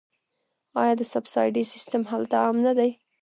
آیا د سبسایډي سیستم هلته عام نه دی؟